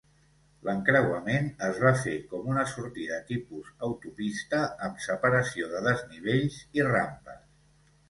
L'encreuament es va fer com una sortida tipus autopista amb separació de desnivells i rampes.